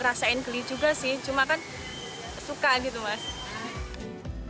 rasain geli juga sih cuma kan suka gitu mas